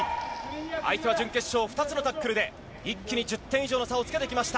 相手は準決勝２つのタックルで一気に１０点以上の差をつけてきました。